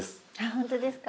本当ですか。